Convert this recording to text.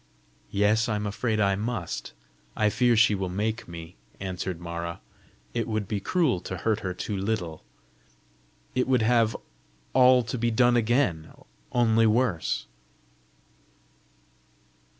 "Yes; I am afraid I must; I fear she will make me!" answered Mara. "It would be cruel to hurt her too little. It would have all to be done again, only worse."